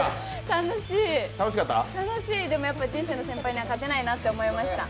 楽しい、でも、やっぱり人生の先輩には勝てないなと思いました。